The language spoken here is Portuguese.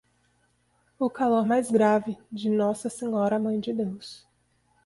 O calor mais grave, de Nossa Senhora a Mãe de Deus.